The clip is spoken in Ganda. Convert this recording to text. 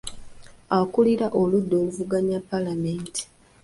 Akulira oludda oluvuganya mu paalamenti.